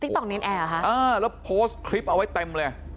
ติ๊กต๊อกเน้นแอร์หรอคะอ่าแล้วโพสต์คลิปเอาไว้เต็มเลย